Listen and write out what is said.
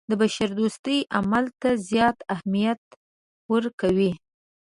د بشردوستۍ عمل ته زیات اهمیت ورکوي.